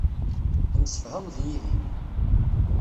Temsefhameḍ yid-i.